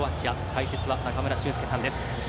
解説は中村俊輔さんです。